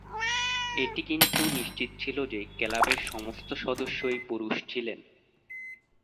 এটি কিন্তু নিশ্চিত ছিল যে, ক্লাবের সমস্ত সদস্যই পুরুষ ছিলেন।